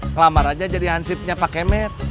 ngelamar aja jadi hansipnya pak kemet